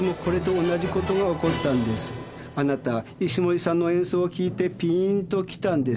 あなた石森さんの演奏を聴いてピーンと来たんです。